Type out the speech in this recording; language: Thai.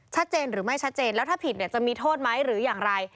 ชัดเจนหรือไม่ชัดเจนแล้วถ้าผิดเนี่ยจะมีโทษไหมหรืออย่างไร